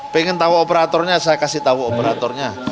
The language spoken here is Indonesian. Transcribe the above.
pengen tau operatornya saya kasih tau operatornya